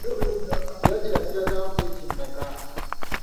Jjajja yasigazaawo keeki mmeka?